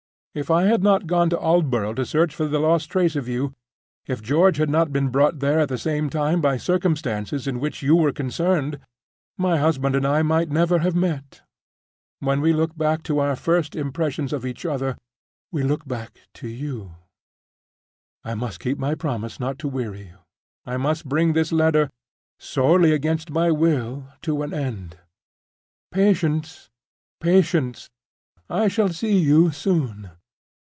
If I had not gone to Aldborough to search for the lost trace of you—if George had not been brought there at the same time by circumstances in which you were concerned, my husband and I might never have met. When we look back to our first impressions of each other, we look back to you. "I must keep my promise not to weary you; I must bring this letter (sorely against my will) to an end. Patience! patience! I shall see you soon.